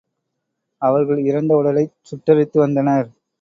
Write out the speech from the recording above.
அவர்கள் இறந்த உடலைச் சுட்டெரித்து வந்தனர்.